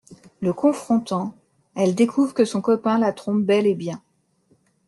Le confrontant, elles découvrent que son copain la trompe bel et bien.